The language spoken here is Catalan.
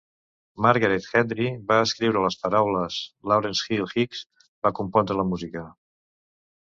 Margaret Hendrie va escriure les paraules; Laurence Henry Hicks va compondre la música.